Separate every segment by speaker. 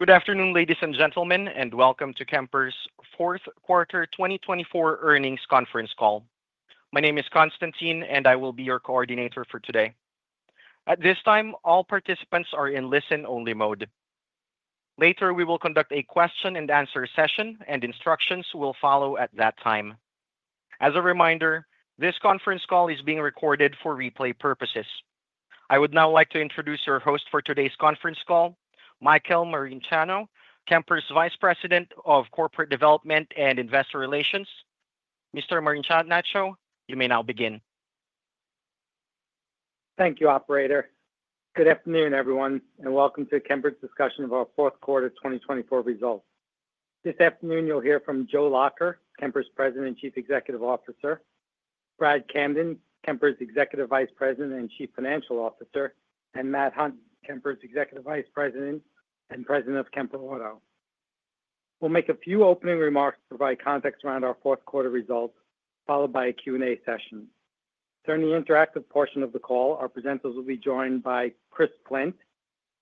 Speaker 1: Good afternoon, ladies and gentlemen, and welcome to Kemper's Q4 2024 Earnings Conference Call. My name is Konstantin, and I will be your coordinator for today. At this time, all participants are in listen-only mode. Later, we will conduct a question-and-answer session, and instructions will follow at that time. As a reminder, this conference call is being recorded for replay purposes. I would now like to introduce your host for today's conference call, Michael Marinaccio, Kemper's Vice President of Corporate Development and Investor Relations. Mr. Marinaccio, you may now begin.
Speaker 2: Thank you, Operator. Good afternoon, everyone, and welcome to Kemper's discussion of our Q4 2024 results. This afternoon, you'll hear from Joe Lacher, Kemper's President and Chief Executive Officer, Brad Camden, Kemper's Executive Vice President and Chief Financial Officer, and Matt Hunton, Kemper's Executive Vice President and President of Kemper Auto. We'll make a few opening remarks to provide context around our Q4 results, followed by a Q&A session. During the interactive portion of the call, our presenters will be joined by Chris Flint,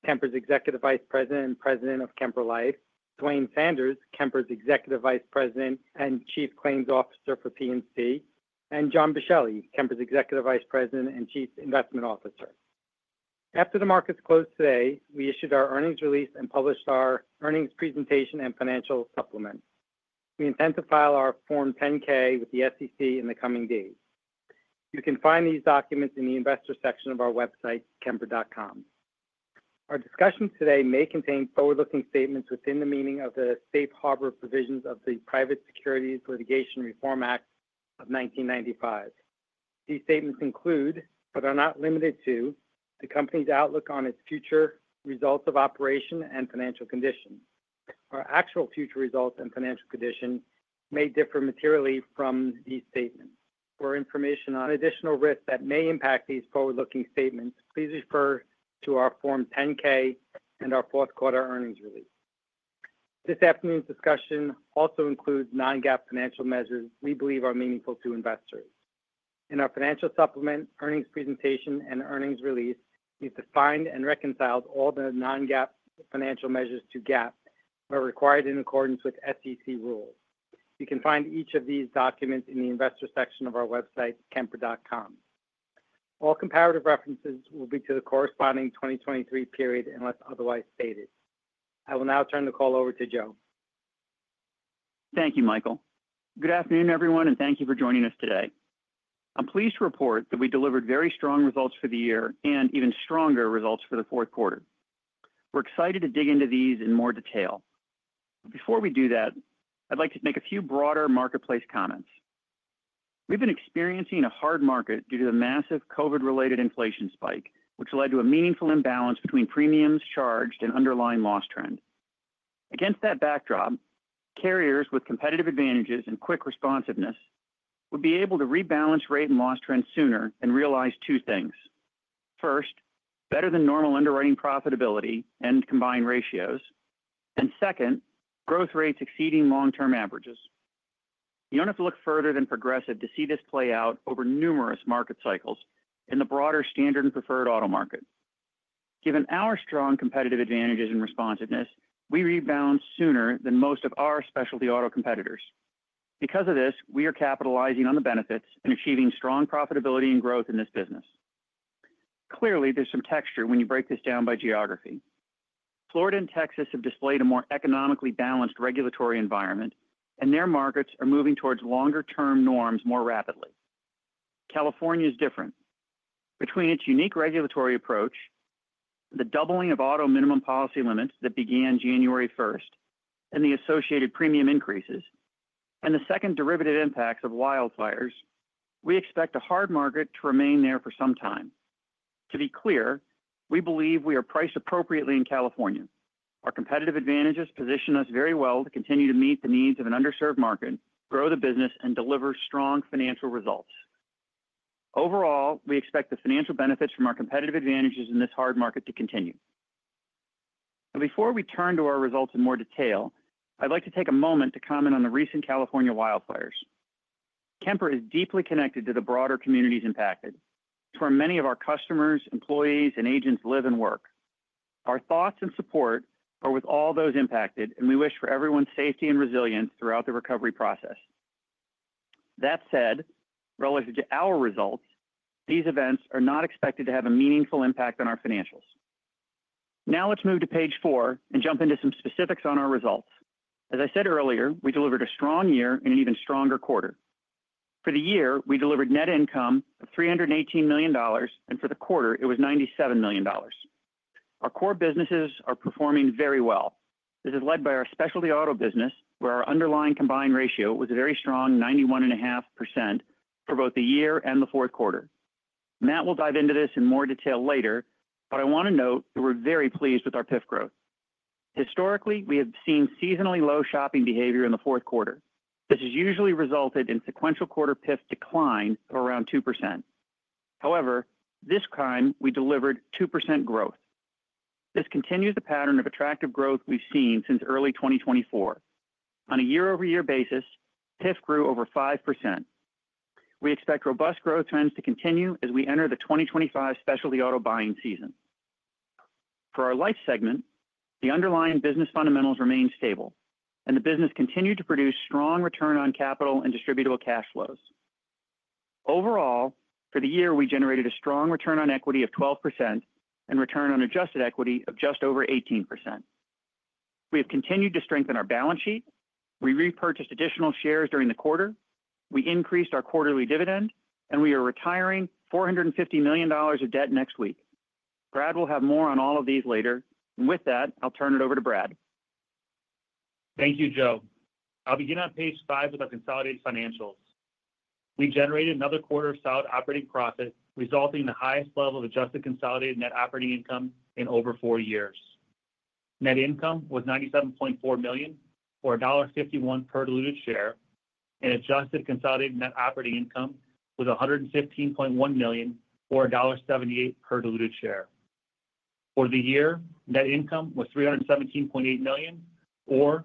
Speaker 2: Kemper's Executive Vice President and President of Kemper Life, Duane Sanders, Kemper's Executive Vice President and Chief Claims Officer for P&C, and John Boschelli, Kemper's Executive Vice President and Chief Investment Officer. After the markets closed today, we issued our earnings release and published our earnings presentation and financial supplement. We intend to file our Form 10-K with the SEC in the coming days. You can find these documents in the investor section of our website, Kemper.com. Our discussion today may contain forward-looking statements within the meaning of the Safe Harbor Provisions of the Private Securities Litigation Reform Act of 1995. These statements include, but are not limited to, the company's outlook on its future results of operation and financial condition. Our actual future results and financial condition may differ materially from these statements. For information on additional risks that may impact these forward-looking statements, please refer to our Form 10-K and our Q4 earnings release. This afternoon's discussion also includes non-GAAP financial measures we believe are meaningful to investors. In our financial supplement, earnings presentation, and earnings release, we've defined and reconciled all the non-GAAP financial measures to GAAP that are required in accordance with SEC rules. You can find each of these documents in the investor section of our website, Kemper.com.All comparative references will be to the corresponding 2023 period unless otherwise stated. I will now turn the call over to Joe.
Speaker 3: Thank you, Michael. Good afternoon, everyone, and thank you for joining us today. I'm pleased to report that we delivered very strong results for the year and even stronger results for the Q4. We're excited to dig into these in more detail. Before we do that, I'd like to make a few broader marketplace comments. We've been experiencing a hard market due to the massive COVID-related inflation spike, which led to a meaningful imbalance between premiums charged and underlying loss trend. Against that backdrop, carriers with competitive advantages and quick responsiveness would be able to rebalance rate and loss trends sooner and realize two things: first, better than normal underwriting profitability and combined ratios, and second, growth rates exceeding long-term averages. You don't have to look further than Progressive to see this play out over numerous market cycles in the broader standard and preferred auto market. Given our strong competitive advantages and responsiveness, we rebound sooner than most of our specialty auto competitors. Because of this, we are capitalizing on the benefits and achieving strong profitability and growth in this business. Clearly, there's some texture when you break this down by geography. Florida and Texas have displayed a more economically balanced regulatory environment, and their markets are moving towards longer-term norms more rapidly. California is different. Between its unique regulatory approach, the doubling of auto minimum policy limits that began 1 January 2024, and the associated premium increases, and the second derivative impacts of wildfires, we expect a hard market to remain there for some time. To be clear, we believe we are priced appropriately in California. Our competitive advantages position us very well to continue to meet the needs of an underserved market, grow the business, and deliver strong financial results. Overall, we expect the financial benefits from our competitive advantages in this hard market to continue. Now, before we turn to our results in more detail, I'd like to take a moment to comment on the recent California wildfires. Kemper is deeply connected to the broader communities impacted, to where many of our customers, employees, and agents live and work. Our thoughts and support are with all those impacted, and we wish for everyone's safety and resilience throughout the recovery process. That said, relative to our results, these events are not expected to have a meaningful impact on our financials. Now, let's move to page four and jump into some specifics on our results. As I said earlier, we delivered a strong year and an even stronger quarter. For the year, we delivered net income of $318 million, and for the quarter, it was $97 million. Our core businesses are performing very well. This is led by our specialty auto business, where our underlying combined ratio was a very strong 91.5% for both the year and the Q4. Matt will dive into this in more detail later, but I want to note that we're very pleased with our PIF growth. Historically, we have seen seasonally low shopping behavior in the Q4. This has usually resulted in sequential quarter PIF decline of around 2%. However, this time, we delivered 2% growth. This continues the pattern of attractive growth we've seen since early 2024. On a year-over-year basis, PIF grew over 5%. We expect robust growth trends to continue as we enter the 2025 specialty auto buying season. For our Life segment, the underlying business fundamentals remained stable, and the business continued to produce strong return on capital and distributable cash flows. Overall, for the year, we generated a strong return on equity of 12% and return on adjusted equity of just over 18%. We have continued to strengthen our balance sheet. We repurchased additional shares during the quarter. We increased our quarterly dividend, and we are retiring $450 million of debt next week. Brad will have more on all of these later. With that, I'll turn it over to Brad.
Speaker 4: Thank you, Joe. I'll begin on page five with our consolidated financials. We generated another quarter of solid operating profit, resulting in the highest level of adjusted consolidated net operating income in over four years. Net income was $97.4 million or $1.51 per diluted share, and adjusted consolidated net operating income was $115.1 million or $1.78 per diluted share. For the year, net income was $317.8 million or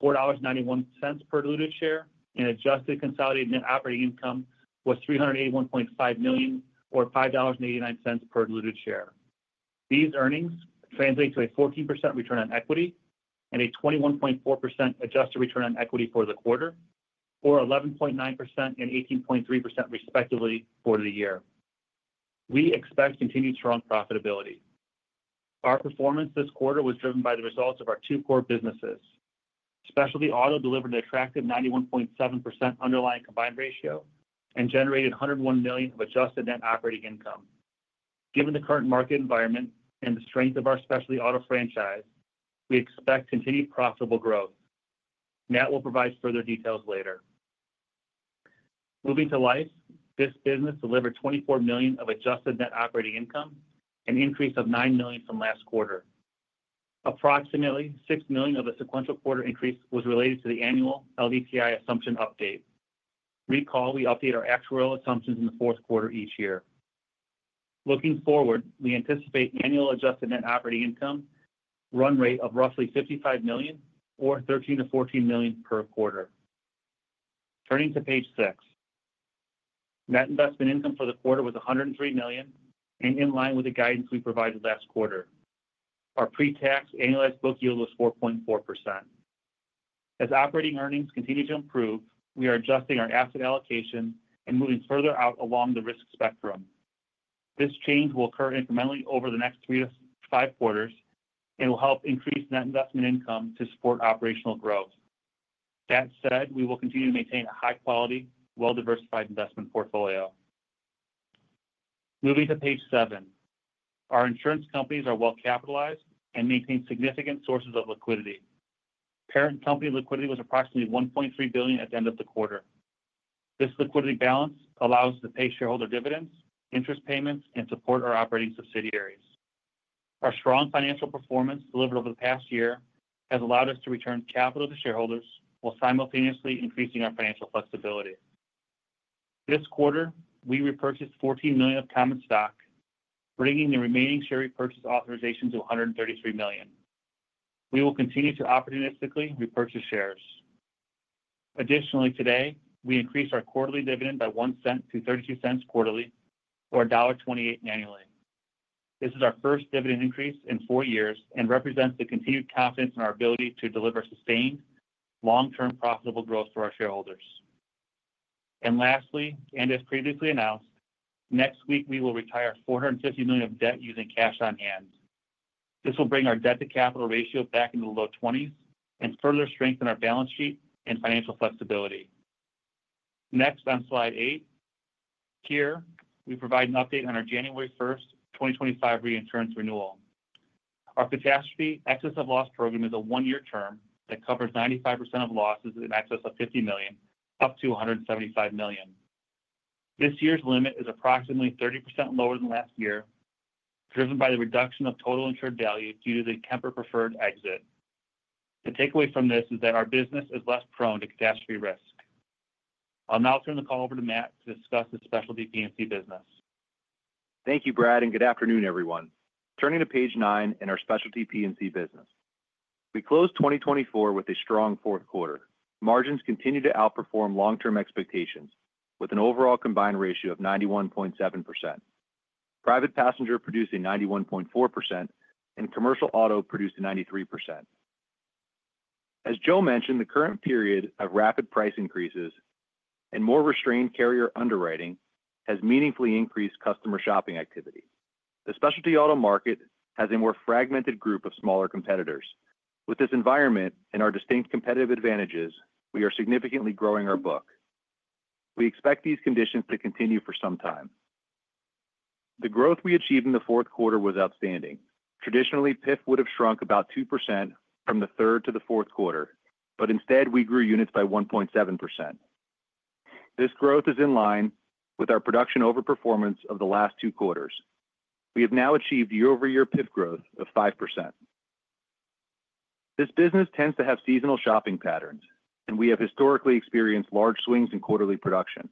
Speaker 4: $4.91 per diluted share, and adjusted consolidated net operating income was $381.5 million or $5.89 per diluted share. These earnings translate to a 14% return on equity and a 21.4% adjusted return on equity for the quarter, or 11.9% and 18.3% respectively for the year. We expect continued strong profitability. Our performance this quarter was driven by the results of our two core businesses. Specialty auto delivered an attractive 91.7% underlying combined ratio and generated $101 million of adjusted net operating income. Given the current market environment and the strength of our specialty auto franchise, we expect continued profitable growth. Matt will provide further details later. Moving to Life, this business delivered $24 million of adjusted net operating income, an increase of $9 million from last quarter. Approximately $6 million of the sequential quarter increase was related to the annual LDTI assumption update. Recall, we update our actuarial assumptions in the Q4 each year. Looking forward, we anticipate annual adjusted net operating income run rate of roughly $55 million or $13 to 14 million per quarter. Turning to page six, net investment income for the quarter was $103 million, and in line with the guidance we provided last quarter. Our pre-tax annualized book yield was 4.4%. As operating earnings continue to improve, we are adjusting our asset allocation and moving further out along the risk spectrum. This change will occur incrementally over the next three to five quarters and will help increase net investment income to support operational growth. That said, we will continue to maintain a high-quality, well-diversified investment portfolio. Moving to page seven, our insurance companies are well-capitalized and maintain significant sources of liquidity. Parent company liquidity was approximately $1.3 billion at the end of the quarter. This liquidity balance allows us to pay shareholder dividends, interest payments, and support our operating subsidiaries. Our strong financial performance delivered over the past year has allowed us to return capital to shareholders while simultaneously increasing our financial flexibility. This quarter, we repurchased $14 million of common stock, bringing the remaining share repurchase authorization to $133 million. We will continue to opportunistically repurchase shares. Additionally, today, we increased our quarterly dividend by $0.01 to 0.32 quarterly, or $1.28 annually. This is our first dividend increase in four years and represents the continued confidence in our ability to deliver sustained, long-term profitable growth for our shareholders. And lastly, and as previously announced, next week, we will retire $450 million of debt using cash on hand. This will bring our debt-to-capital ratio back into the low 20s and further strengthen our balance sheet and financial flexibility. Next, on slide eight, here, we provide an update on our 1 January 2025 reinsurance renewal. Our Catastrophe Excess of Loss Program is a one-year term that covers 95% of losses in excess of $50 million, up to $175 million. This year's limit is approximately 30% lower than last year, driven by the reduction of total insured value due to the Kemper Preferred exit. The takeaway from this is that our business is less prone to catastrophe risk. I'll now turn the call over to Matt to discuss the Specialty P&C business.
Speaker 5: Thank you, Brad, and good afternoon, everyone. Turning to page nine in our Specialty P&C business. We closed 2024 with a strong Q4. Margins continue to outperform long-term expectations with an overall combined ratio of 91.7%. Private passenger produced a 91.4%, and commercial auto produced a 93%. As Joe mentioned, the current period of rapid price increases and more restrained carrier underwriting has meaningfully increased customer shopping activity. The specialty auto market has a more fragmented group of smaller competitors. With this environment and our distinct competitive advantages, we are significantly growing our book. We expect these conditions to continue for some time. The growth we achieved in the Q4 was outstanding. Traditionally, PIF would have shrunk about 2% from the third to the Q4, but instead, we grew units by 1.7%. This growth is in line with our production overperformance of the last two quarters. We have now achieved year-over-year PIF growth of 5%. This business tends to have seasonal shopping patterns, and we have historically experienced large swings in quarterly production.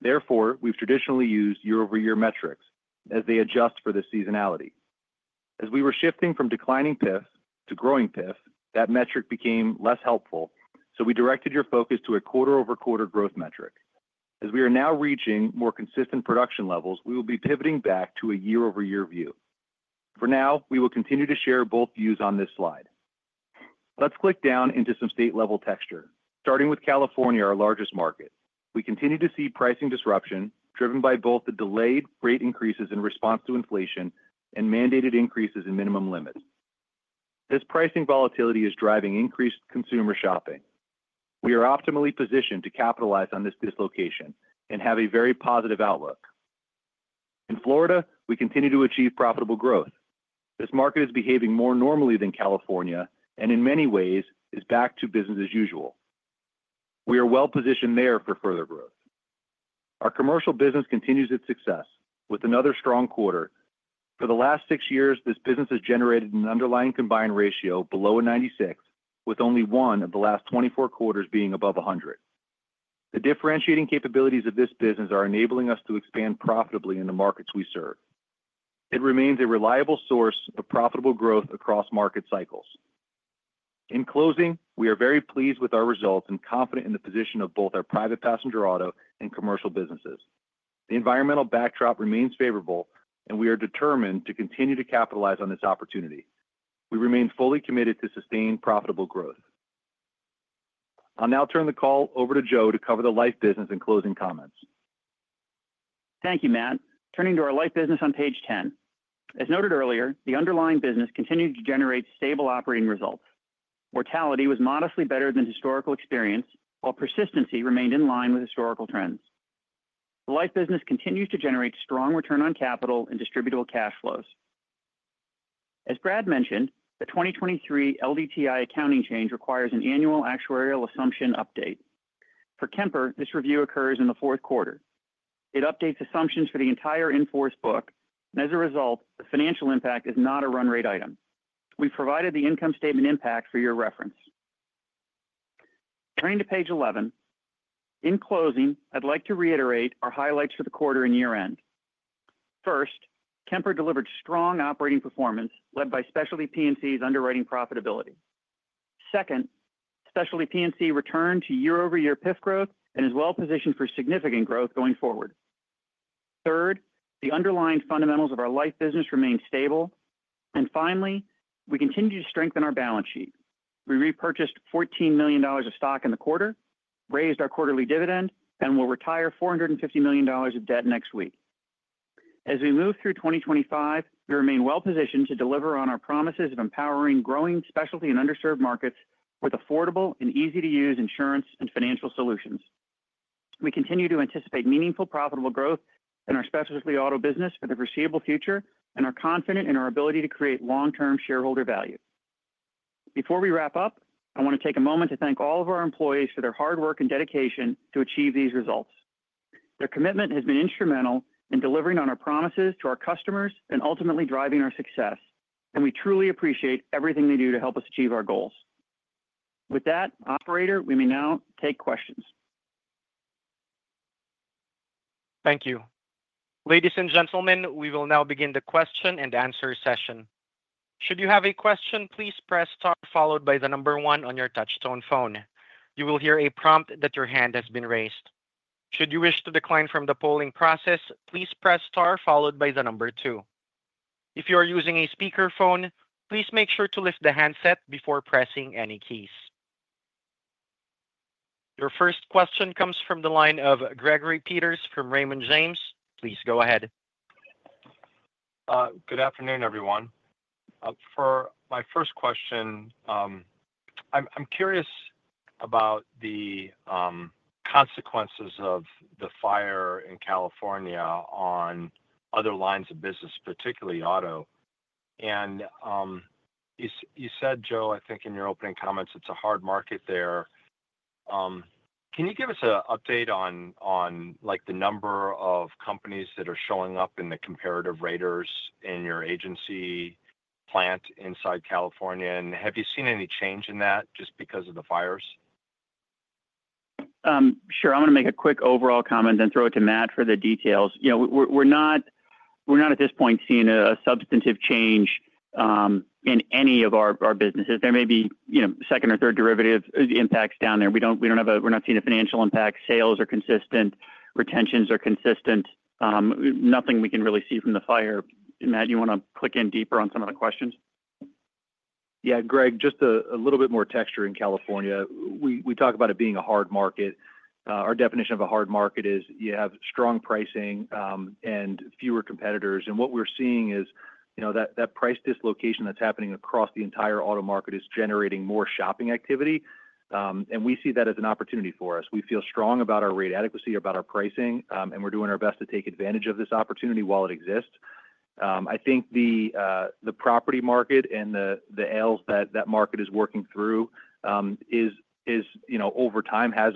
Speaker 5: Therefore, we've traditionally used year-over-year metrics as they adjust for the seasonality. As we were shifting from declining PIF to growing PIF, that metric became less helpful, so we directed your focus to a quarter-over-quarter growth metric. As we are now reaching more consistent production levels, we will be pivoting back to a year-over-year view. For now, we will continue to share both views on this slide. Let's click down into some state-level texture, starting with California, our largest market. We continue to see pricing disruption driven by both the delayed rate increases in response to inflation and mandated increases in minimum limits. This pricing volatility is driving increased consumer shopping. We are optimally positioned to capitalize on this dislocation and have a very positive outlook. In Florida, we continue to achieve profitable growth. This market is behaving more normally than California and in many ways is back to business as usual. We are well-positioned there for further growth. Our commercial business continues its success with another strong quarter. For the last six years, this business has generated an underlying combined ratio below 96%, with only one of the last 24 quarters being above 100%. The differentiating capabilities of this business are enabling us to expand profitably in the markets we serve. It remains a reliable source of profitable growth across market cycles. In closing, we are very pleased with our results and confident in the position of both our private passenger auto and commercial businesses. The environmental backdrop remains favorable, and we are determined to continue to capitalize on this opportunity. We remain fully committed to sustained profitable growth. I'll now turn the call over to Joe to cover the Life business in closing comments.
Speaker 3: Thank you, Matt. Turning to our Life business on page 10. As noted earlier, the underlying business continued to generate stable operating results. Mortality was modestly better than historical experience, while persistency remained in line with historical trends. The Life business continues to generate strong return on capital and distributable cash flows. As Brad mentioned, the 2023 LDTI accounting change requires an annual actuarial assumption update. For Kemper, this review occurs in the Q4. It updates assumptions for the entire in-force book, and as a result, the financial impact is not a run rate item. We've provided the income statement impact for your reference. Turning to page 11. In closing, I'd like to reiterate our highlights for the quarter and year-end. First, Kemper delivered strong operating performance led by specialty P&C's underwriting profitability. Second, specialty P&C returned to year-over-year PIF growth and is well-positioned for significant growth going forward. Third, the underlying fundamentals of our Life business remain stable. And finally, we continue to strengthen our balance sheet. We repurchased $14 million of stock in the quarter, raised our quarterly dividend, and will retire $450 million of debt next week. As we move through 2025, we remain well-positioned to deliver on our promises of empowering growing specialty and underserved markets with affordable and easy-to-use insurance and financial solutions. We continue to anticipate meaningful profitable growth in our specialty auto business for the foreseeable future and are confident in our ability to create long-term shareholder value. Before we wrap up, I want to take a moment to thank all of our employees for their hard work and dedication to achieve these results. Their commitment has been instrumental in delivering on our promises to our customers and ultimately driving our success, and we truly appreciate everything they do to help us achieve our goals. With that, operator, we may now take questions.
Speaker 1: Thank you. Ladies and gentlemen, we will now begin the question and answer session. Should you have a question, please press star followed by the number one on your touch-tone phone. You will hear a prompt that your hand has been raised. Should you wish to decline from the polling process, please press star followed by the number two. If you are using a speakerphone, please make sure to lift the handset before pressing any keys. Your first question comes from the line of Gregory Peters from Raymond James. Please go ahead.
Speaker 6: Good afternoon, everyone. For my first question, I'm curious about the consequences of the fire in California on other lines of business, particularly auto. And you said, Joe, I think in your opening comments, it's a hard market there. Can you give us an update on the number of companies that are showing up in the comparative raters in your agency plant inside California? And have you seen any change in that just because of the fires?
Speaker 3: Sure. I want to make a quick overall comment and then throw it to Matt for the details. We're not at this point seeing a substantive change in any of our businesses. There may be second or third derivative impacts down there. We're not seeing a financial impact. Sales are consistent. Retentions are consistent. Nothing we can really see from the fire. Matt, you want to click in deeper on some of the questions?
Speaker 5: Yeah, Greg, just a little bit more texture in California. We talk about it being a hard market. Our definition of a hard market is you have strong pricing and fewer competitors. And what we're seeing is that price dislocation that's happening across the entire auto market is generating more shopping activity. And we see that as an opportunity for us. We feel strong about our rate adequacy, about our pricing, and we're doing our best to take advantage of this opportunity while it exists. I think the property market and the ails that that market is working through over time has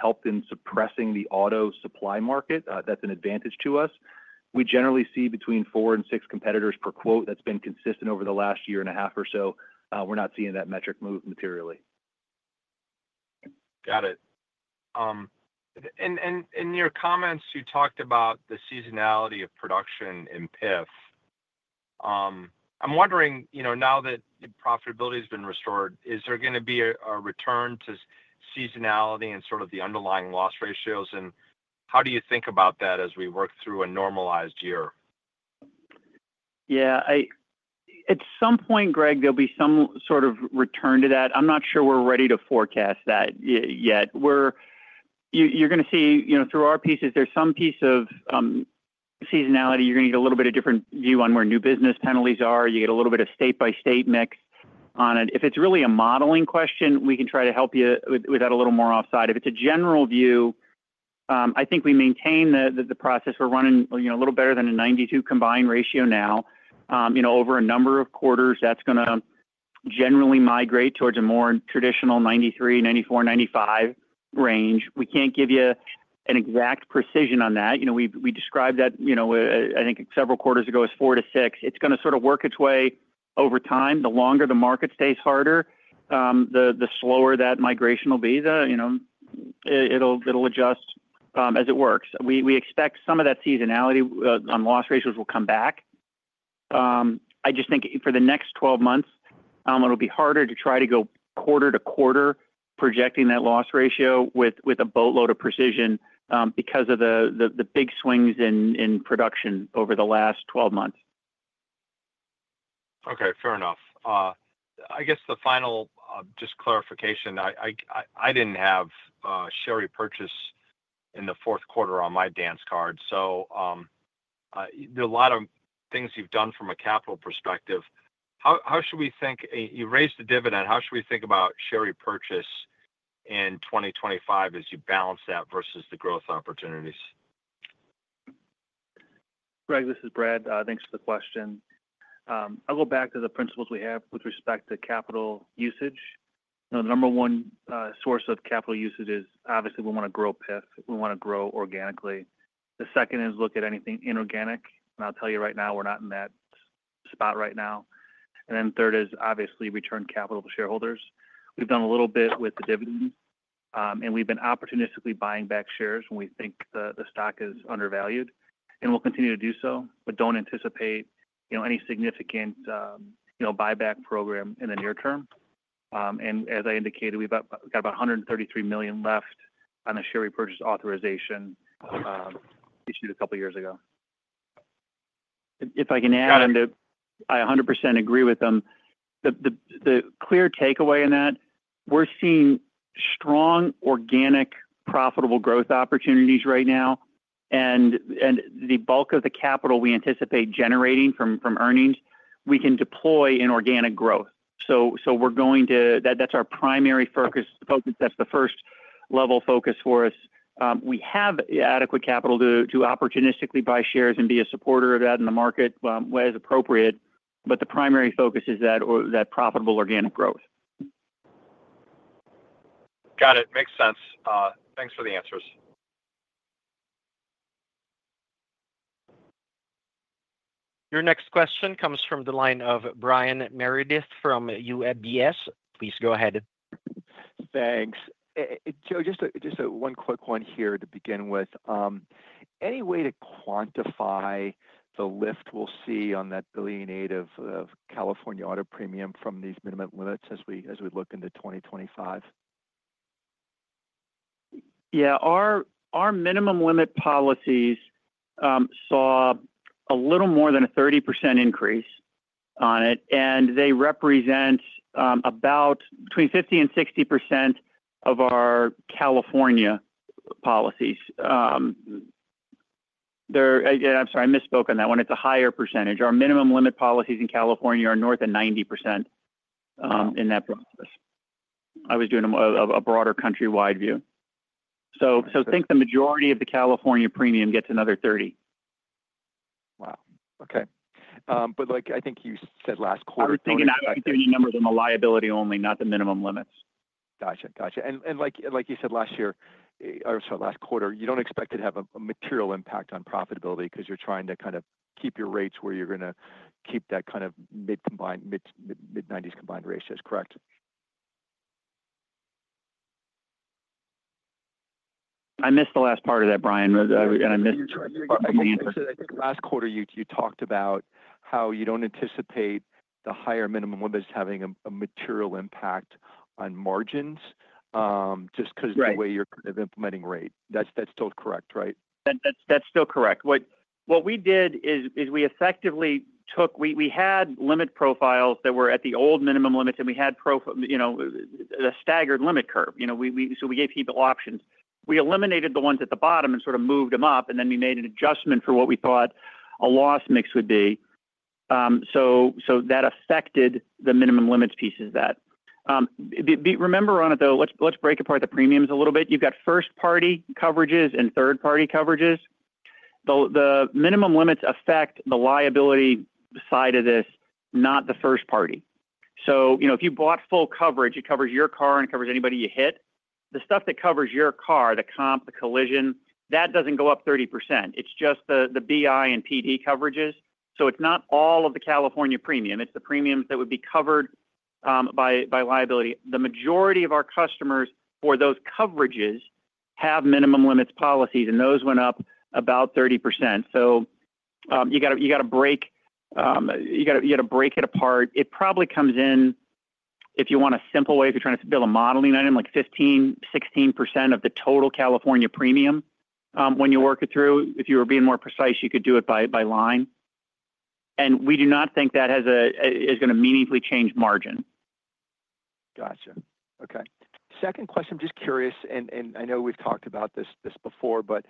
Speaker 5: helped in suppressing the auto supply market. That's an advantage to us. We generally see between four and six competitors per quote, that's been consistent over the last year and a half or so. We're not seeing that metric move materially.
Speaker 6: Got it. And in your comments, you talked about the seasonality of production in PIF. I'm wondering, now that profitability has been restored, is there going to be a return to seasonality and sort of the underlying loss ratios? And how do you think about that as we work through a normalized year?
Speaker 3: Yeah. At some point, Greg, there'll be some sort of return to that. I'm not sure we're ready to forecast that yet. You're going to see through our pieces, there's some piece of seasonality. You're going to get a little bit of different view on where new business penalties are. You get a little bit of state-by-state mix on it. If it's really a modeling question, we can try to help you with that a little more offside. If it's a general view, I think we maintain the process. We're running a little better than a 92 combined ratio now. Over a number of quarters, that's going to generally migrate towards a more traditional 93, 94, 95 range. We can't give you an exact precision on that. We described that, I think, several quarters ago as four to six. It's going to sort of work its way over time. The longer the market stays harder, the slower that migration will be. It'll adjust as it works. We expect some of that seasonality on loss ratios will come back. I just think for the next 12 months, it'll be harder to try to go quarter to quarter projecting that loss ratio with a boatload of precision because of the big swings in production over the last 12 months.
Speaker 6: Okay. Fair enough. I guess the final, just clarification. I didn't have share repurchase in the Q4 on my dance card. So there are a lot of things you've done from a capital perspective. How should we think about you raised the dividend? How should we think about share repurchase in 2025 as you balance that versus the growth opportunities?
Speaker 4: Greg, this is Brad. Thanks for the question. I'll go back to the principles we have with respect to capital usage. The number one source of capital usage is obviously we want to grow PIF. We want to grow organically. The second is look at anything inorganic. And I'll tell you right now, we're not in that spot right now. And then third is obviously return capital to shareholders. We've done a little bit with the dividends, and we've been opportunistically buying back shares when we think the stock is undervalued. And we'll continue to do so, but don't anticipate any significant buyback program in the near term. And as I indicated, we've got about $133 million left on the share repurchase authorization issued a couple of years ago.
Speaker 3: If I can add in that I 100% agree with them. The clear takeaway in that, we're seeing strong organic profitable growth opportunities right now, and the bulk of the capital we anticipate generating from earnings we can deploy in organic growth. So we're going to. That's our primary focus. That's the first-level focus for us. We have adequate capital to opportunistically buy shares and be a supporter of that in the market as appropriate, but the primary focus is that profitable organic growth.
Speaker 6: Got it. Makes sense. Thanks for the answers.
Speaker 1: Your next question comes from the line of Brian Meredith from UBS. Please go ahead.
Speaker 7: Thanks. Joe, just one quick one here to begin with. Any way to quantify the lift we'll see on that $1 billion in California auto premium from these minimum limits as we look into 2025?
Speaker 3: Yeah. Our minimum limit policies saw a little more than a 30% increase on it, and they represent about between 50% to 60% of our California policies. I'm sorry, I misspoke on that one. It's a higher percentage. Our minimum limit policies in California are north of 90% in that process. I was doing a broader countrywide view. So think the majority of the California premium gets another 30%.
Speaker 7: Wow. Okay. But I think you said last quarter.
Speaker 3: I was thinking that was a number of the liability only, not the minimum limits.
Speaker 7: Gotcha. Gotcha. And like you said last year or sorry, last quarter, you don't expect to have a material impact on profitability because you're trying to kind of keep your rates where you're going to keep that kind of mid-90s combined ratio, correct?
Speaker 3: I missed the last part of that, Brian.
Speaker 7: Last quarter, you talked about how you don't anticipate the higher minimum limits having a material impact on margins just because of the way you're kind of implementing rate. That's still correct, right?
Speaker 3: That's still correct. What we did is we effectively took we had limit profiles that were at the old minimum limits, and we had a staggered limit curve. So we gave people options. We eliminated the ones at the bottom and sort of moved them up, and then we made an adjustment for what we thought a loss mix would be. So that affected the minimum limits pieces of that. Remember on it, though, let's break apart the premiums a little bit. You've got first-party coverages and third-party coverages. The minimum limits affect the liability side of this, not the first-party. So if you bought full coverage, it covers your car and it covers anybody you hit. The stuff that covers your car, the comp, the collision, that doesn't go up 30%. It's just the BI and PD coverages. So it's not all of the California premium. It's the premiums that would be covered by liability. The majority of our customers for those coverages have minimum limits policies, and those went up about 30%. So you got to break it apart. It probably comes in, if you want a simple way, if you're trying to build a modeling item, like 15% to 16% of the total California premium when you work it through. If you were being more precise, you could do it by line, and we do not think that is going to meaningfully change margin.
Speaker 7: Gotcha. Okay. Second question, I'm just curious, and I know we've talked about this before, but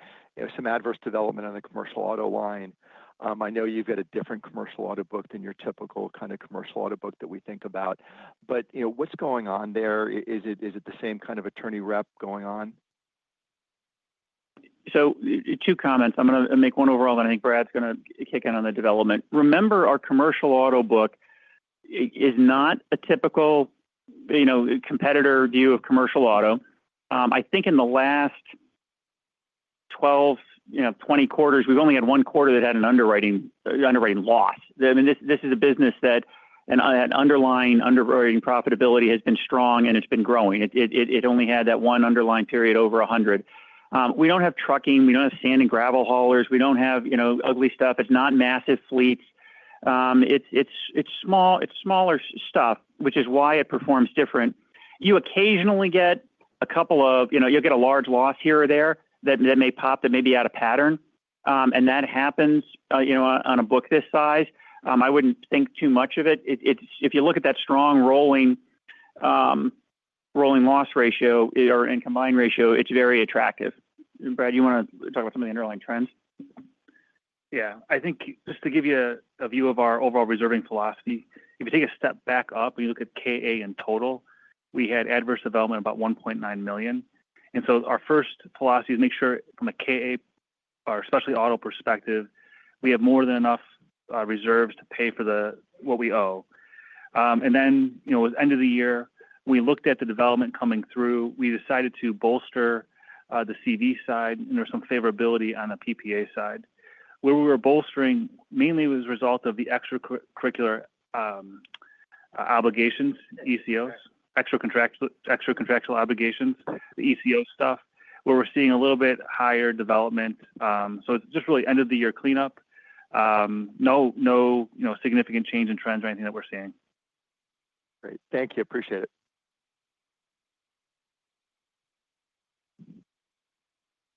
Speaker 7: some adverse development on the commercial auto line. I know you've got a different commercial auto book than your typical kind of commercial auto book that we think about. But what's going on there? Is it the same kind of attorney rep going on?
Speaker 3: So two comments. I'm going to make one overall, and I think Brad's going to kick in on the development. Remember, our commercial auto book is not a typical competitor view of commercial auto. I think in the last 12, 20 quarters, we've only had one quarter that had an underwriting loss. I mean, this is a business that underlying underwriting profitability has been strong, and it's been growing. It only had that one underlying period over 100. We don't have trucking. We don't have sand and gravel haulers. We don't have ugly stuff. It's not massive fleets. It's smaller stuff, which is why it performs different. You occasionally get a couple of, you'll get a large loss here or there that may pop, that may be out of pattern, and that happens on a book this size. I wouldn't think too much of it. If you look at that strong rolling loss ratio or combined ratio, it's very attractive. Brad, you want to talk about some of the underlying trends?
Speaker 4: Yeah. I think just to give you a view of our overall reserving philosophy, if you take a step back up and you look at KA in total, we had adverse development about $1.9 million. And so our first philosophy is make sure from a KA or especially auto perspective, we have more than enough reserves to pay for what we owe. And then at the end of the year, we looked at the development coming through. We decided to bolster the CV side, and there was some favorability on the PPA side. Where we were bolstering mainly was a result of the extra-contractual obligations, ECOs, extra-contractual obligations, the ECO stuff, where we're seeing a little bit higher development. So it's just really end-of-the-year cleanup. No significant change in trends or anything that we're seeing.
Speaker 7: Great. Thank you. Appreciate it.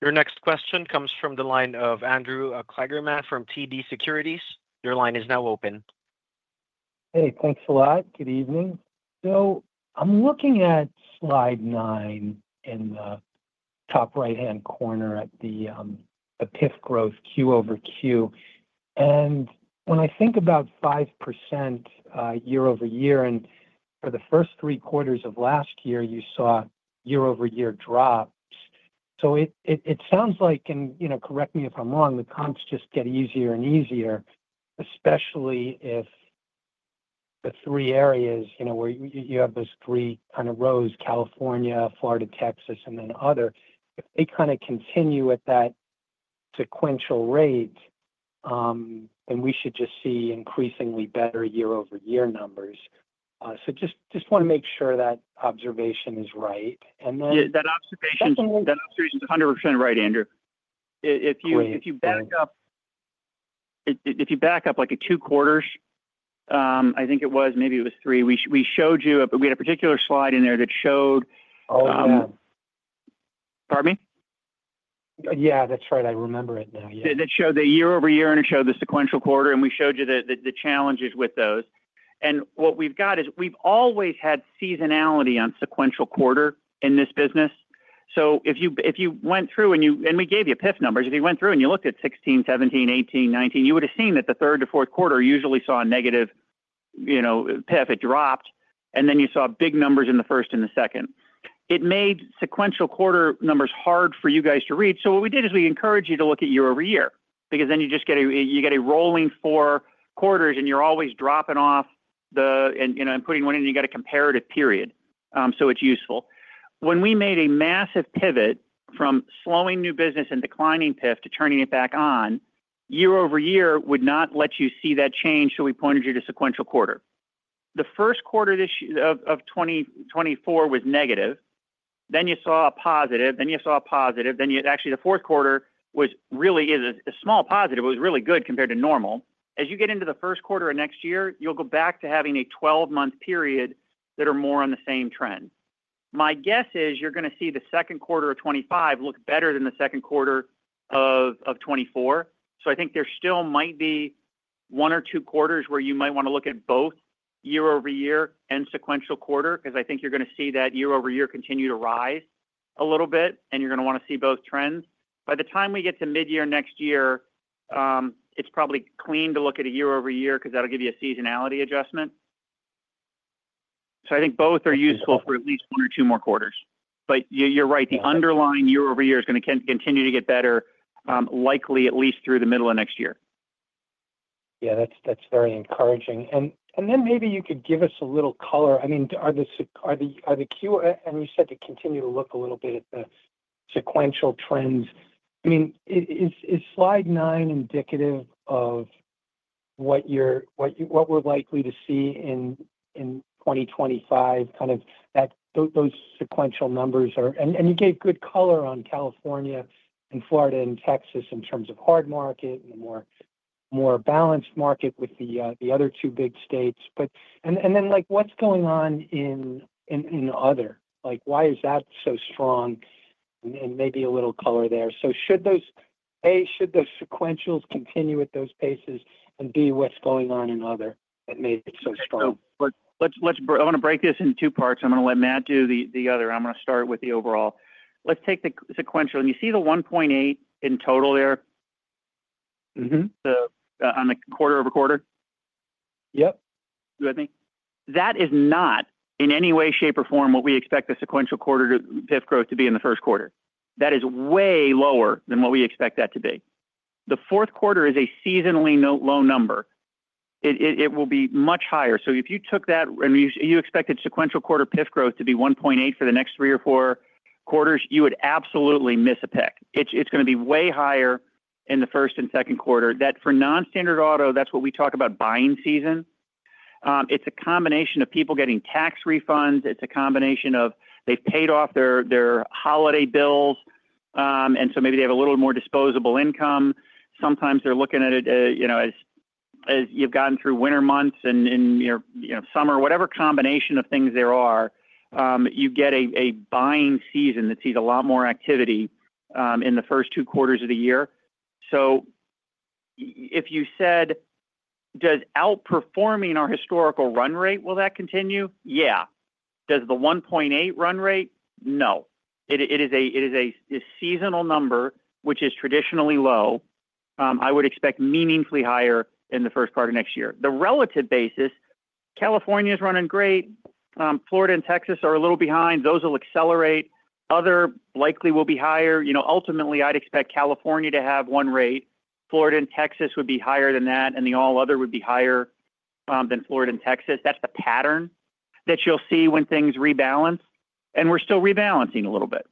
Speaker 1: Your next question comes from the line of Andrew Kligerman from TD Securities. Your line is now open.
Speaker 8: Hey, thanks a lot. Good evening. So I'm looking at slide nine in the top right-hand corner at the PIF growth Q over Q. And when I think about 5% year-over-year, and for the first three quarters of last year, you saw year-over-year drops. So it sounds like, and correct me if I'm wrong, the comps just get easier and easier, especially if the three areas where you have those three kind of rows, California, Florida, Texas, and then other, if they kind of continue at that sequential rate, then we should just see increasingly better year-over-year numbers. So just want to make sure that observation is right. And then—
Speaker 3: Yeah. That observation is 100% right, Andrew. If you back up, if you back up like two quarters, I think it was, maybe it was three, we showed you we had a particular slide in there that showed.
Speaker 8: Oh, yeah.
Speaker 3: Pardon me?
Speaker 8: Yeah, that's right. I remember it now. Yeah.
Speaker 3: That showed the year-over-year, and it showed the sequential quarter, and we showed you the challenges with those, and what we've got is we've always had seasonality on sequential quarter in this business, so if you went through, and we gave you PIF numbers, if you went through and you looked at 2016, 2017, 2018, 2019, you would have seen that the Q3 to Q4 usually saw a negative PIF, it dropped, and then you saw big numbers in the Q1 and the Q2, it made sequential quarter numbers hard for you guys to read, so what we did is we encourage you to look at year-over-year because then you get a rolling four quarters, and you're always dropping off and putting one in, and you got a comparative period, so it's useful. When we made a massive pivot from slowing new business and declining PIF to turning it back on, year-over-year would not let you see that change, so we pointed you to sequential quarter. The Q1 of 2024 was negative. Then you saw a positive. Then you saw a positive. Then actually the Q4 was really a small positive. It was really good compared to normal. As you get into the Q1 of next year, you'll go back to having a 12-month period that are more on the same trend. My guess is you're going to see the Q2 of 2025 look better than the Q2 of 2024. So I think there still might be one or two quarters where you might want to look at both year-over-year and sequential quarter because I think you're going to see that year-over-year continue to rise a little bit, and you're going to want to see both trends. By the time we get to mid-year next year, it's probably clean to look at a year-over-year because that'll give you a seasonality adjustment. So I think both are useful for at least one or two more quarters. But you're right. The underlying year-over-year is going to continue to get better, likely at least through the middle of next year.
Speaker 8: Yeah. That's very encouraging. And then maybe you could give us a little color. I mean, are the Q4 and you said to continue to look a little bit at the sequential trends. I mean, is slide nine indicative of what we're likely to see in 2025, kind of those sequential numbers? And you gave good color on California and Florida and Texas in terms of hard market and the more balanced market with the other two big states. And then what's going on in other? Why is that so strong? And maybe a little color there. So A, should those sequentials continue at those paces? And B, what's going on in other that made it so strong?
Speaker 3: I want to break this into two parts. I'm going to let Matt do the other. I'm going to start with the overall. Let's take the sequential, and you see the 1.8% in total there on the quarter-over-quarter?
Speaker 8: Yep.
Speaker 3: You with me? That is not in any way, shape, or form what we expect the sequential quarter PIF growth to be in the Q1. That is way lower than what we expect that to be. The Q4 is a seasonally low number. It will be much higher. So if you took that and you expected sequential quarter PIF growth to be 1.8% for the next three or four quarters, you would absolutely miss it big. It's going to be way higher in the Q1 and Q2. That, for non-standard auto, that's what we talk about buying season. It's a combination of people getting tax refunds. It's a combination of they've paid off their holiday bills, and so maybe they have a little more disposable income. Sometimes they're looking at it as you've gotten through winter months and summer, whatever combination of things there are. You get a buying season that sees a lot more activity in the first two quarters of the year. So if you said, "Does outperforming our historical run rate, will that continue?" Yeah. Does the 1.8% run rate? No. It is a seasonal number, which is traditionally low. I would expect meaningfully higher in the Q1 of next year. The relative basis, California is running great. Florida and Texas are a little behind. Those will accelerate. Other likely will be higher. Ultimately, I'd expect California to have one rate. Florida and Texas would be higher than that, and the all other would be higher than Florida and Texas. That's the pattern that you'll see when things rebalance. We're still rebalancing a little bit.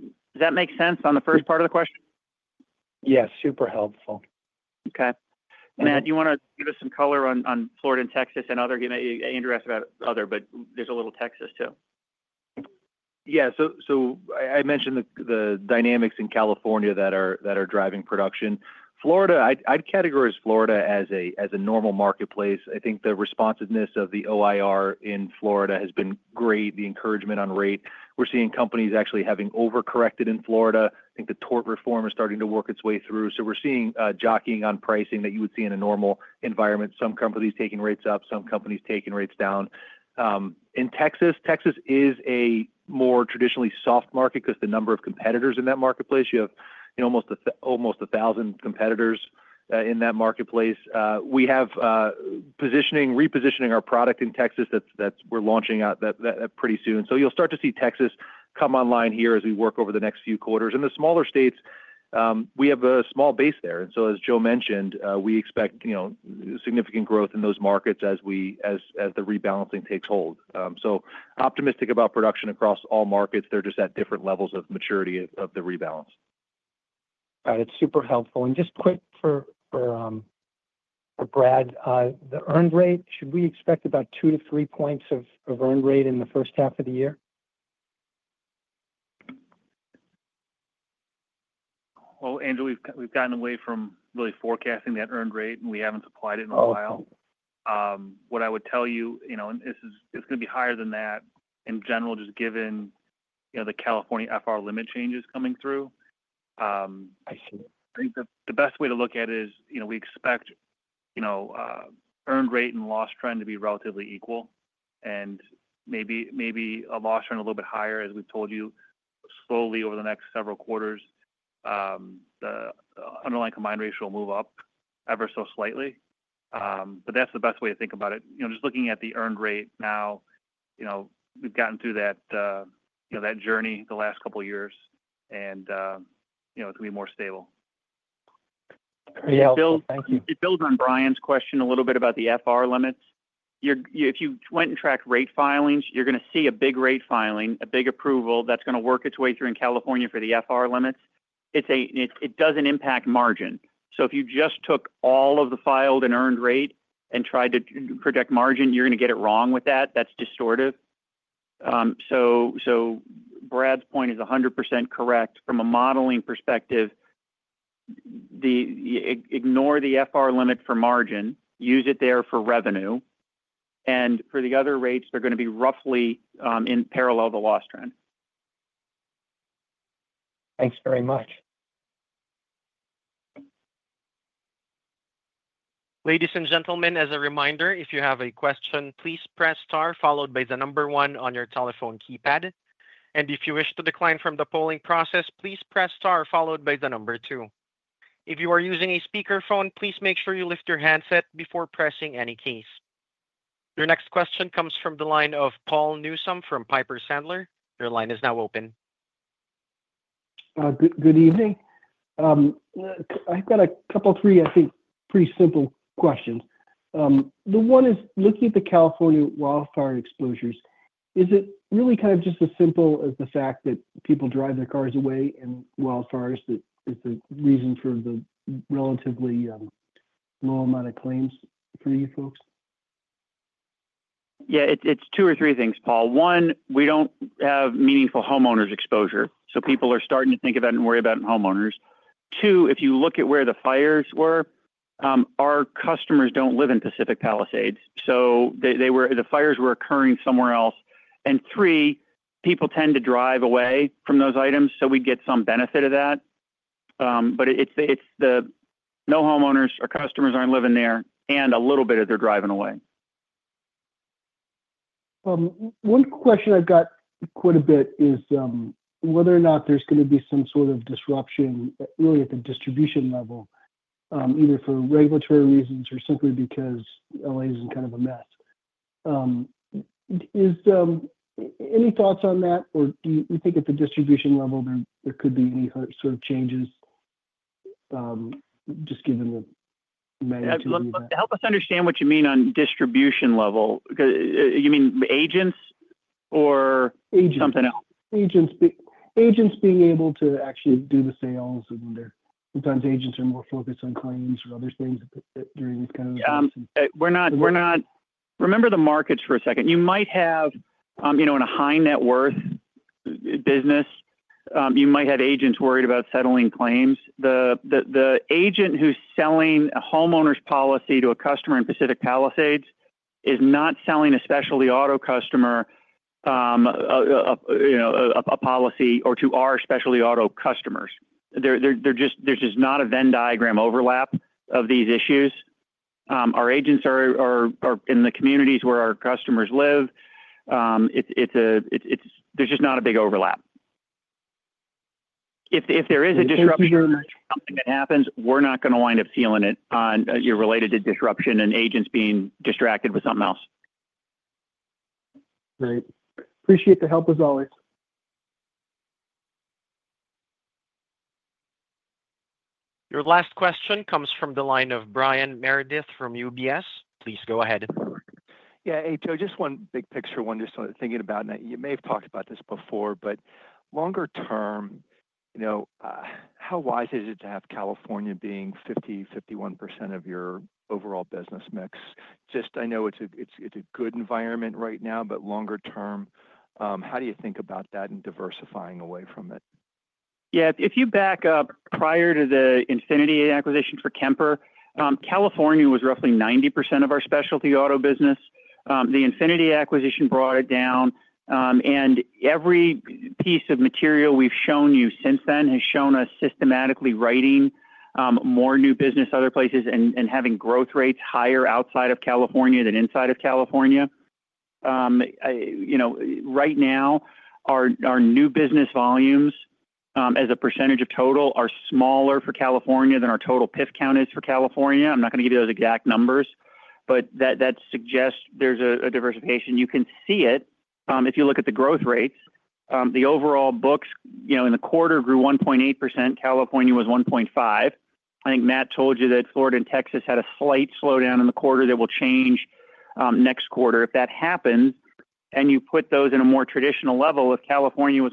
Speaker 3: Does that make sense on the first part of the question?
Speaker 8: Yes. Super helpful.
Speaker 3: Okay. Matt, do you want to give us some color on Florida and Texas and other? Andrew asked about other, but there's a little Texas too.
Speaker 5: Yeah. So I mentioned the dynamics in California that are driving production. I'd categorize Florida as a normal marketplace. I think the responsiveness of the OIR in Florida has been great, the encouragement on rate. We're seeing companies actually having overcorrected in Florida. I think the tort reform is starting to work its way through. So we're seeing jockeying on pricing that you would see in a normal environment. Some companies taking rates up, some companies taking rates down. In Texas, Texas is a more traditionally soft market because the number of competitors in that marketplace. You have almost 1,000 competitors in that marketplace. We have repositioning our product in Texas that we're launching pretty soon. So you'll start to see Texas come online here as we work over the next few quarters. In the smaller states, we have a small base there. And so as Joe mentioned, we expect significant growth in those markets as the rebalancing takes hold. So optimistic about production across all markets. They're just at different levels of maturity of the rebalance.
Speaker 8: Got it. Super helpful. And just quick for Brad, the earned rate, should we expect about two to three points of earned rate in the first half of the year?
Speaker 4: Andrew, we've gotten away from really forecasting that earned rate, and we haven't supplied it in a while. What I would tell you, and this is going to be higher than that in general, just given the California FR limit changes coming through.
Speaker 8: I see.
Speaker 4: I think the best way to look at it is we expect earned rate and loss trend to be relatively equal, and maybe a loss trend a little bit higher, as we've told you, slowly over the next several quarters. The underlying combined ratio will move up ever so slightly, but that's the best way to think about it. Just looking at the earned rate now, we've gotten through that journey the last couple of years, and it's going to be more stable.
Speaker 8: Yeah. Thank you.
Speaker 3: It builds on Brian's question a little bit about the FR limits. If you went and tracked rate filings, you're going to see a big rate filing, a big approval that's going to work its way through in California for the FR limits. It doesn't impact margin. So if you just took all of the filed and earned rate and tried to project margin, you're going to get it wrong with that. That's distorted. So Brad's point is 100% correct. From a modeling perspective, ignore the FR limit for margin. Use it there for revenue. And for the other rates, they're going to be roughly in parallel to loss trend.
Speaker 8: Thanks very much.
Speaker 1: Ladies and gentlemen, as a reminder, if you have a question, please press star followed by the number one on your telephone keypad. And if you wish to decline from the polling process, please press star followed by the number two. If you are using a speakerphone, please make sure you lift your handset before pressing any keys. Your next question comes from the line of Paul Newsome from Piper Sandler. Your line is now open.
Speaker 9: Good evening. I've got a couple of three, I think, pretty simple questions. The one is looking at the California wildfire exposures. Is it really kind of just as simple as the fact that people drive their cars away in wildfires that is the reason for the relatively low amount of claims for you folks?
Speaker 3: Yeah. It's two or three things, Paul. One, we don't have meaningful homeowners exposure. So people are starting to think about it and worry about homeowners. Two, if you look at where the fires were, our customers don't live in Pacific Palisades. So the fires were occurring somewhere else. And three, people tend to drive away from those items, so we get some benefit of that. But it's the no homeowners or customers aren't living there, and a little bit of they're driving away.
Speaker 9: One question I've got quite a bit is whether or not there's going to be some sort of disruption really at the distribution level, either for regulatory reasons or simply because L.A. is in kind of a mess. Any thoughts on that, or do you think at the distribution level there could be any sort of changes just given the magnitude of the—
Speaker 3: Help us understand what you mean on distribution level. You mean agents or something else?
Speaker 9: Agents. Agents being able to actually do the sales. Sometimes agents are more focused on claims or other things during these kind of.
Speaker 3: Yeah. We're not. Remember the markets for a second. You might have in a high net worth business, you might have agents worried about settling claims. The agent who's selling a homeowner's policy to a customer in Pacific Palisades is not selling a specialty auto customer a policy or to our specialty auto customers. There's just not a Venn diagram overlap of these issues. Our agents are in the communities where our customers live. There's just not a big overlap. If there is a disruption or something that happens, we're not going to wind up feeling it related to disruption and agents being distracted with something else.
Speaker 9: Great. Appreciate the help as always.
Speaker 1: Your last question comes from the line of Brian Meredith from UBS. Please go ahead.
Speaker 7: Yeah. Hey, Joe, just one big picture one just thinking about. You may have talked about this before, but longer term, how wise is it to have California being 50% to 51% of your overall business mix? Just, I know it's a good environment right now, but longer term, how do you think about that and diversifying away from it?
Speaker 3: Yeah. If you back up prior to the Infinity acquisition for Kemper, California was roughly 90% of our specialty auto business. The Infinity acquisition brought it down, and every piece of material we've shown you since then has shown us systematically writing more new business other places and having growth rates higher outside of California than inside of California. Right now, our new business volumes as a percentage of total are smaller for California than our total PIF count is for California. I'm not going to give you those exact numbers, but that suggests there's a diversification. You can see it if you look at the growth rates. The overall books in the quarter grew 1.8%. California was 1.5%. I think Matt told you that Florida and Texas had a slight slowdown in the quarter that will change next quarter. If that happens and you put those in a more traditional level, if California was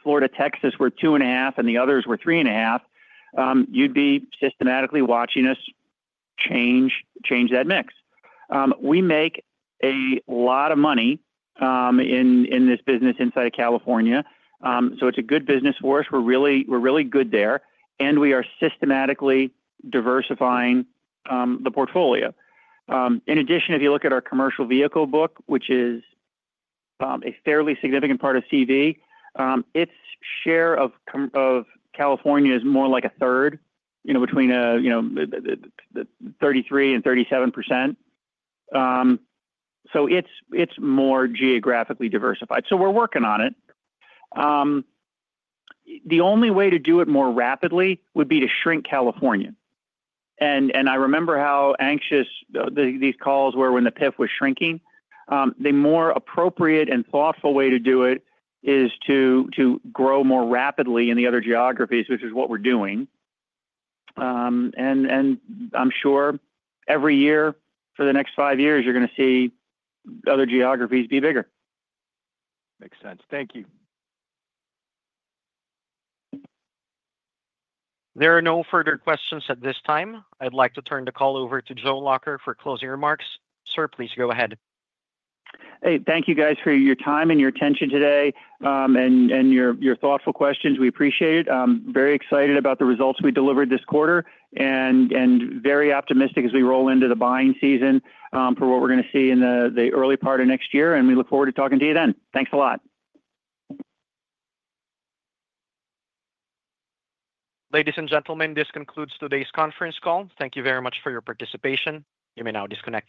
Speaker 3: 1.5% and Florida and Texas were 2.5% and the others were 3.5%, you'd be systematically watching us change that mix. We make a lot of money in this business inside of California. So it's a good business for us. We're really good there. And we are systematically diversifying the portfolio. In addition, if you look at our commercial vehicle book, which is a fairly significant part of CV, its share of California is more like a third, between 33% and 37%. So it's more geographically diversified. So we're working on it. The only way to do it more rapidly would be to shrink California. And I remember how anxious these calls were when the PIF was shrinking. The more appropriate and thoughtful way to do it is to grow more rapidly in the other geographies, which is what we're doing, and I'm sure every year for the next five years, you're going to see other geographies be bigger.
Speaker 7: Makes sense. Thank you.
Speaker 1: There are no further questions at this time. I'd like to turn the call over to Joe Lacher for closing remarks. Sir, please go ahead.
Speaker 3: Hey, thank you guys for your time and your attention today and your thoughtful questions. We appreciate it. Very excited about the results we delivered this quarter and very optimistic as we roll into the buying season for what we're going to see in the early part of next year, and we look forward to talking to you then. Thanks a lot.
Speaker 1: Ladies and gentlemen, this concludes today's conference call. Thank you very much for your participation. You may now disconnect.